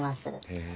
へえ。